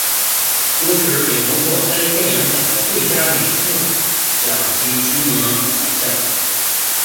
同时也荣获该电影奖的最佳美术奖及提名奖项。